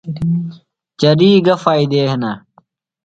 چریۡ گہ فائدے ہِنہ؟